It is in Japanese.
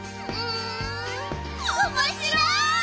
おもしろい」